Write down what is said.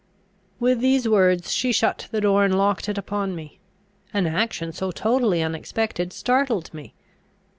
With these words she shut the door, and locked it upon me. An action so totally unexpected startled me.